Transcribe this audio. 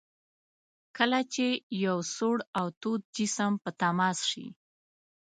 کله چې یو سوړ او تود جسم په تماس شي.